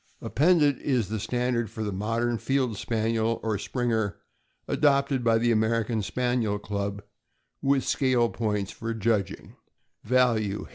Appended is the standard for the modern Field Spaniel, or Springer, adopted by the American Spaniel Club, with scale of points for judging: Value.